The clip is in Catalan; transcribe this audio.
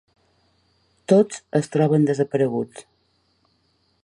Tots es troben desapareguts.